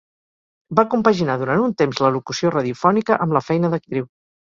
Va compaginar durant un temps la locució radiofònica amb la feina d'actriu.